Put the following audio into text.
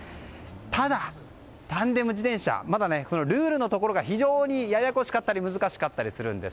ただ、タンデム自転車まだルールのところが非常にややこしかったり難しかったりするんです。